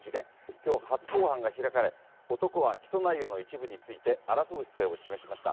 きょう、初公判が開かれ、男は起訴内容の一部について、争う姿勢を示しました。